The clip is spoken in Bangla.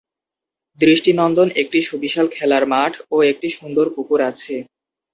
দৃষ্টিনন্দন একটি সুবিশাল খেলার মাঠ ও একটি সুন্দর পুকুর আছে।